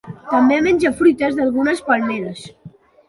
També menja fruites d'algunes palmeres.